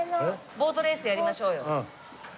ボートレースやりましょうよ。